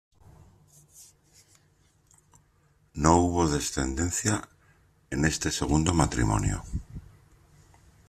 No hubo descendencia en este segundo matrimonio.